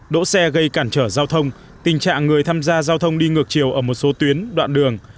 đỗ xe gây cản trở giao thông tình trạng người tham gia giao thông đi ngược chiều ở một số tuyến đoạn đường